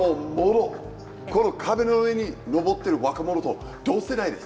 この壁の上に登ってる若者と同世代です。